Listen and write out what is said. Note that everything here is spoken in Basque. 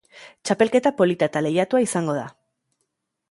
Txapelketa polita eta lehiatua izango da.